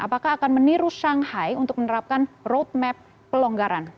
apakah akan meniru shanghai untuk menerapkan roadmap pelonggaran